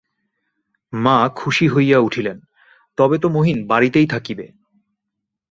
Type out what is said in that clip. মা খুশি হইয়া উঠিলেন–তবে তো মহিন বাড়িতেই থাকিবে।